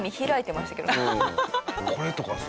これとかさ